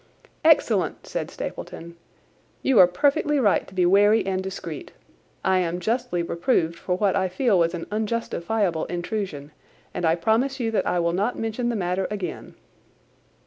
"Excellent!" said Stapleton. "You are perfectly right to be wary and discreet. I am justly reproved for what I feel was an unjustifiable intrusion, and I promise you that I will not mention the matter again."